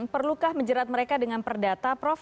perlukah menjerat mereka dengan perdata prof